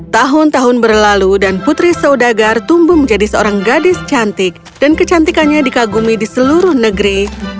tahun tahun berlalu dan putri saudagar tumbuh menjadi seorang gadis cantik dan kecantikannya dikagumi di seluruh negeri